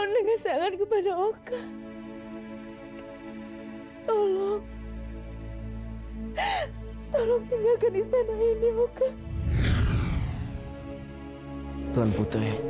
dia udah aku bu